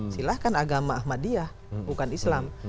silahkan agama ahmadiyah bukan islam